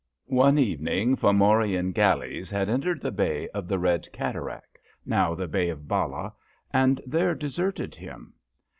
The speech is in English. One evening Fomorian galleys had entered the Bay of the Red Cataract, now the Bay of Ballah, and there deserted him.